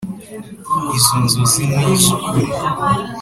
Izo nzozi ni iz ukuri